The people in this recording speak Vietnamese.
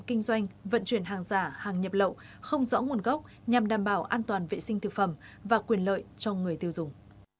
kinh doanh vận chuyển hàng giả hàng nhập lậu không rõ nguồn gốc nhằm đảm bảo an toàn vệ sinh thực phẩm và quyền lợi cho người tiêu dùng